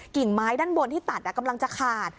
กิ่งไม้ด้านบนที่ตัดกำลังจะขาด